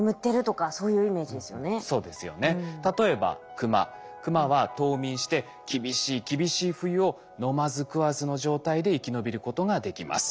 クマは冬眠して厳しい厳しい冬を飲まず食わずの状態で生き延びることができます。